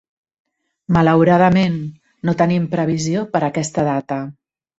Malauradament, no tenim previsió per aquesta data.